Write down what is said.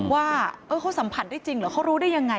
ว่าเขาสัมผัสได้จริงหรือเขารู้ได้ยังไง